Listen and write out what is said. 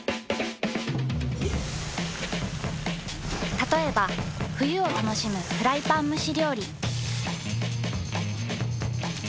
たとえば冬を楽しむフライパン蒸し料理。